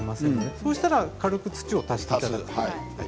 そうしたら軽く土を足していただく。